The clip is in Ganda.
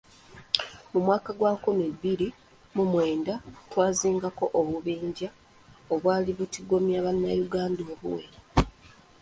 Mu mwaka gwa nkumi bbiri mu mwenda twazingako obubinja obwali butigomya bannayuganda obuwera.